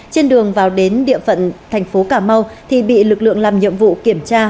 trên đường vào đến địa phận tp ca mau thì bị lực lượng làm nhiệm vụ kiểm tra